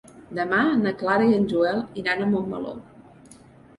Demà na Clara i en Joel iran a Montmeló.